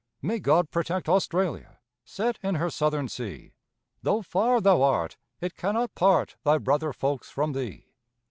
May God protect Australia, Set in her Southern Sea! Though far thou art, it cannot part Thy brother folks from thee.